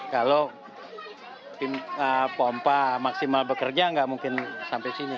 kalau pompa maksimal bekerja nggak mungkin sampai sini